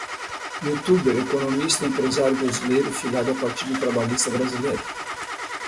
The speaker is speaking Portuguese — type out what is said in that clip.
youtuber, economista E empresário brasileiro filiado ao Partido Trabalhista Brasileiro.